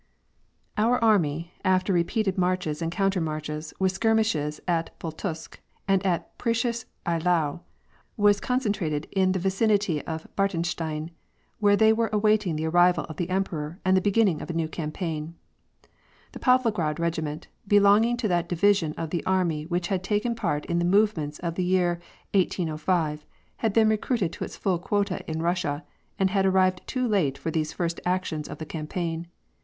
Our army, after repeated marches and countermarches, with skirmishes at Pultusk and at Preussisch Eylau, was concen trated in the vicinity of Bartenstein, where they were await ing the arrival of the emperor and the beginning of a new cam paign. The Pavlograd regiment, belonging to that division of the army which had taken part in the movements of the year 1805, had been recruited to its full quota in Kussia, and had arrived too late for these first actions of the campaign.